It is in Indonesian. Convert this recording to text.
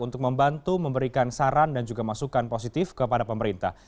untuk membantu memberikan saran dan juga masukan positif kepada pemerintah